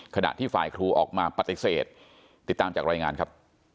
ขณะที่ฝ่ายครูออกมาปฏิเสธติดตามจากรายงานครับ